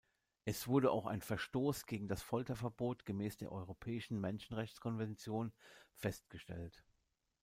Es wurde auch ein Verstoß gegen das Folterverbot gemäß der Europäischen Menschenrechtskonvention festgestellt.